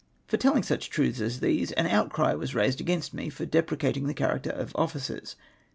For telling such truths as these, an outcry was raised against me for depreciating the character of officers